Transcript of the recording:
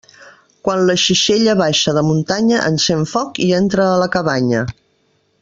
Quan la xixella baixa de muntanya, encén foc i entra a la cabanya.